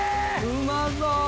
うまそう！